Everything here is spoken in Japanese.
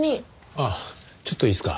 あっちょっといいですか？